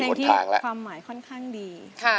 เพลงที่ความหมายค่อนข้างดี